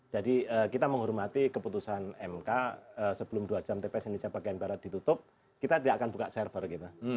jadi kita menghormati keputusan mk sebelum dua jam tps di indonesia bagian barat ditutup kita tidak akan buka server gitu